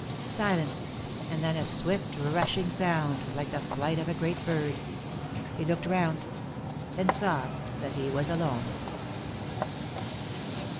Silence, and then a swift rushing sound, like the flight of a great bird. He looked round, and saw that he was alone